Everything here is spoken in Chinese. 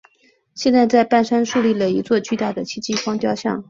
现在在半山竖立了一座巨大的戚继光雕像。